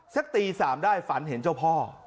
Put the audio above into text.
สักตี๓ได้ฝันเห็นเจ้าพ่อ